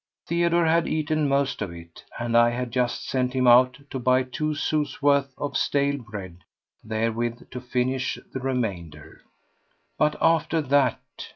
Theodore had eaten most of it, and I had just sent him out to buy two sous' worth of stale bread wherewith to finish the remainder. But after that?